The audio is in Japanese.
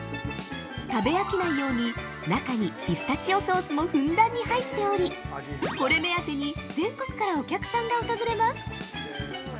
食べ飽きないように中にピスタチオソースもふんだんに入っておりこれ目当てに全国からお客さんが訪れます。